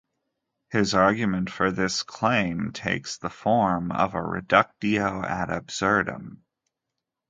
His argument for this claim takes the form of a "reductio ad absurdum".